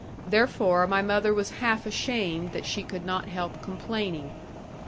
Therefore my mother was half ashamed that she could not help complaining.